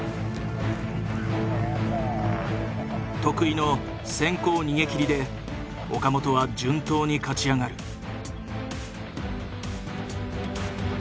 得意の先行逃げきりで岡本は順当に勝ち上がる。